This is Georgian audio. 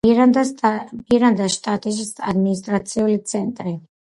მირანდას შტატის ადმინისტრაციული ცენტრი.